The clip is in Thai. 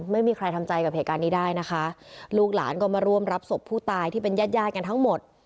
ไม่มีใครทำใจกับเหตุการณ์นี้ได้นะคะลูกหลานก็มาร่วมรับศพผู้ตายที่เป็นญาติญาติกันทั้งหมด